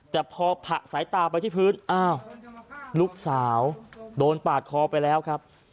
แต่พอผะสายตาไปที่พื้นอ้าวลูกสาวโดนปาดคอไปแล้วครับ